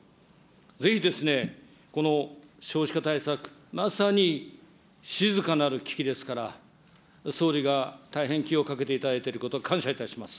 ぜひですね、この少子化対策、まさに静かなる危機ですから、総理が大変気をかけていただいていること感謝いたします。